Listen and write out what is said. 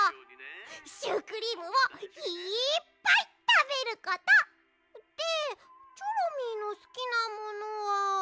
シュークリームをいっぱいたべること！でチョロミーのすきなものは。